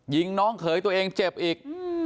ยิงน้องเขยตัวเองเจ็บอีก